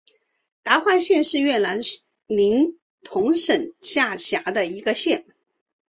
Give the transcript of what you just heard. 达怀县是越南林同省下辖的一个县。